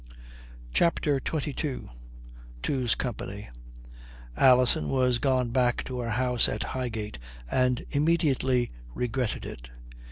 CHAPTER XXII TWO'S COMPANY Alison was gone back to her house at Highgate and immediately regretted it.